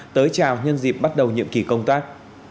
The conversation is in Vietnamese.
tới chào nhân dịp bắt đầu nhiệm kỳ công tác